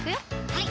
はい